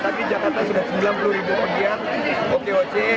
tapi jakarta sudah sembilan puluh ribu bagian okoc